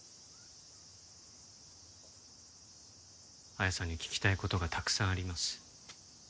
彩さんに聞きたい事がたくさんあります。